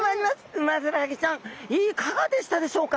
ウマヅラハギちゃんいかがでしたでしょうか？